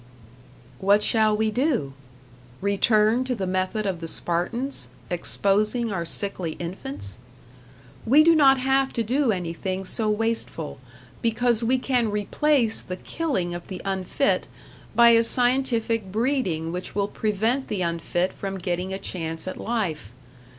What shall we do? Return to the method of the Spartans, exposing our sickly infants? We do not have to do anything so wasteful, because we can replace the killing of the unfit by a scientific breeding which will prevent the unfit from getting a chance at life.